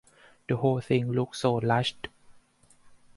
The whole thing looks so rushed.